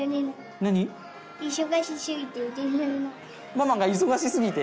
ママが忙しすぎて？